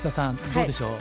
どうでしょう？